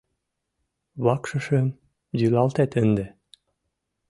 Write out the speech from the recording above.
— Вакшышым йӱлалтет ынде!